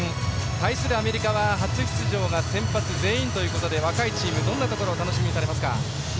対するアメリカは初出場が先発、全員ということで若いチーム、どんなところを楽しみにされますか？